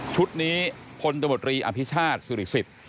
ชุดนี้พลตมตรีอภิชาติสุริสิทธิ์